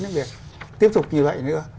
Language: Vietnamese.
những việc tiếp tục như vậy nữa